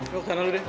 lu ke sana lu deh